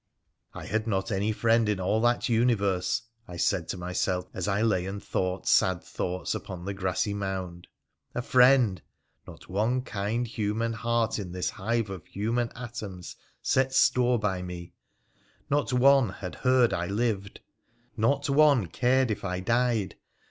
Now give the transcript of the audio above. I had not any friend in all that universe, I said to myself as I lay and thought sad thoughts upon the grassy mound — a friend !— not one kind human heart in this hive of human atoms set store by me — not one had heard I lived — not one cared if I died